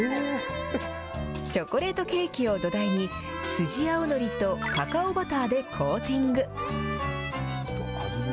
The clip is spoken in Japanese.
チョコレートケーキを土台に、スジアオノリとカカオバターでコーティング。